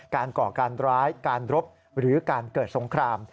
ก่อการร้ายการรบหรือการเกิดสงคราม